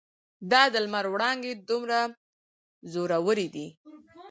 دا د لمر وړانګې دومره زورورې دي.